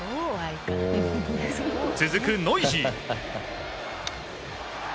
続くノイジー。